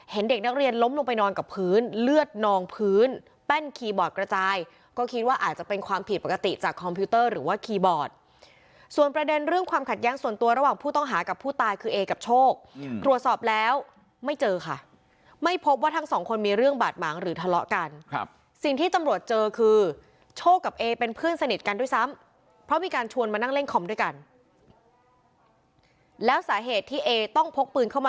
เห็นเด็กนักเรียนล้มลงไปนอนกับพื้นเลือดนองพื้นแป้นคีย์บอร์ดกระจายก็คิดว่าอาจจะเป็นความผิดปกติจากคอมพิวเตอร์หรือว่าคีย์บอร์ดส่วนประเด็นเรื่องความขัดยั้งส่วนตัวระหว่างผู้ต้องหากับผู้ตายคือเอกับโชคตรวจสอบแล้วไม่เจอค่ะไม่พบว่าทั้งสองคนมีเรื่องบาดหมางหรือทะเลาะกันครับ